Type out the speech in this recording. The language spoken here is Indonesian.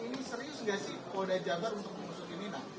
ini serius nggak sih polda jabar untuk mengusut ini